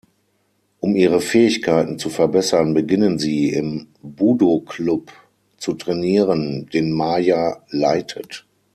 Um ihre Fähigkeiten zu verbessern, beginnen sie, im "Budo-Club" zu trainieren, den Maya leitet.